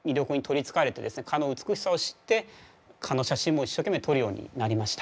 蚊の美しさを知って蚊の写真も一生懸命撮るようになりました。